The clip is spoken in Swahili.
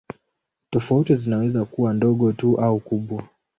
Tofauti zinaweza kuwa ndogo tu au kubwa.